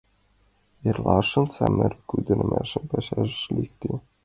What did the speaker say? Эрлашын самырык ӱдырамаш пашаш лекте.